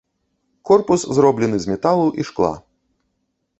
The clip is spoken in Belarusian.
Корпус зроблены з металу і шкла.